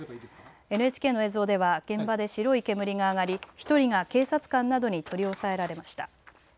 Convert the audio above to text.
ＮＨＫの映像では現場で白い煙が上がり１人が警察官などに取り押さえられました。